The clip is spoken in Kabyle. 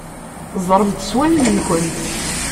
Ẓremt s wallen-nkent.